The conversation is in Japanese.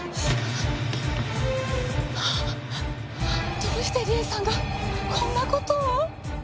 どうして理絵さんがこんな事を！？